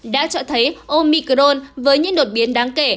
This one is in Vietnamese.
đã cho thấy omicron với những đột biến đáng kể